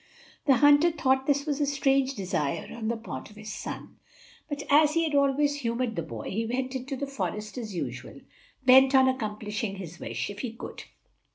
The hunter thought this a strange desire on the part of his son, but as he had always humored the boy, he went into the forest as usual, bent on accomplishing his wish, if he could.